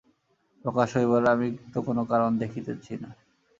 প্রকাশ হইবার আমি তো কোনো কারণ দেখিতেছি না।